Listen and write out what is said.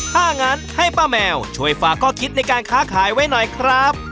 ถ้างั้นให้ป้าแมวช่วยฝากข้อคิดในการค้าขายไว้หน่อยครับ